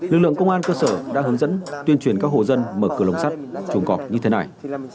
lực lượng công an cơ sở đã hướng dẫn tuyên truyền các hộ dân mở cửa lồng sắt chuồng cọp như thế này